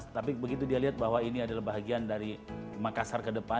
tapi begitu dia lihat bahwa ini adalah bahagian dari makassar ke depan